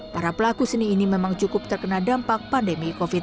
para pelaku seni ini memang cukup terkena dampak pandemi covid sembilan belas